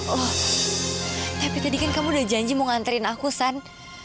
oh tapi tadi kan kamu udah janji mau ngantriin aku san